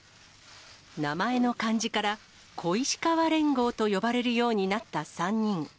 名前の漢字から、小石河連合と呼ばれるようになった３人。